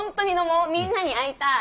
みんなに会いたい！